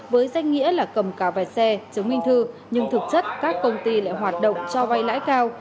với danh nghĩa là cầm cày xe chứng minh thư nhưng thực chất các công ty lại hoạt động cho vay lãi cao